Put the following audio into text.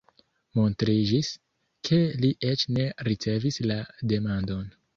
Montriĝis, ke li eĉ ne ricevis la demandon.